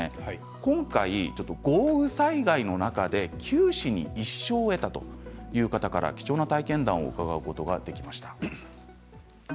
今回、豪雨災害の中で九死に一生を得たという方に貴重な体験談を伺うことができました。